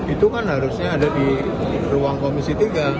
itu kan harusnya ada di ruang komisi tiga